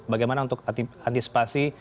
bagaimana untuk antisipasi